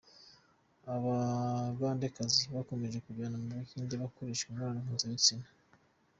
Abagandekazi bakomeje kujyanwa mu Buhinde gukoreshwa imibonano mpuzabitsina